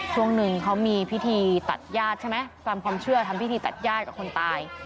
ช่วงหนึ่งเขามีพิธีตัดญาติใช่ไหมตามความเชื่อทำพิธีตัดญาติกับคนตาย